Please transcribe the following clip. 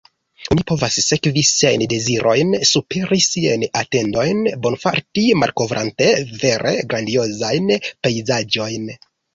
Oni povas sekvi siajn dezirojn, superi siajn atendojn, bonfarti, malkovrante vere grandiozajn pejzaĝojn!